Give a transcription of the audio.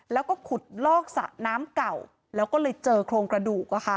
แล้วก็ขุดลอกสระน้ำเก่าแล้วก็เลยเจอโครงกระดูก